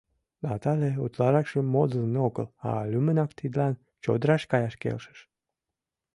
Натале утларакшым модылан огыл, а лӱмынак тидлан чодыраш каяш келшыш.